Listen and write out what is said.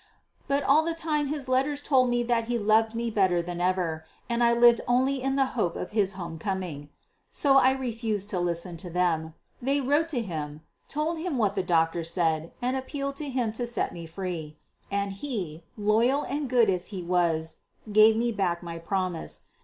But all the time his letters told me that he loved me better than ever, and I lived only in the hope of his home coming. So I refused to listen to them. They wrote to him; told him what the doctor said and appealed to him to set me free. And he, loyal and good as he was, gave me back my promise.